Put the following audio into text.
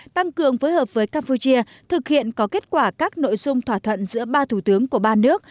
tăng cường phối hợp với campuchia thực hiện có kết quả các nội dung thỏa thuận giữa ba thủ tướng của ba nước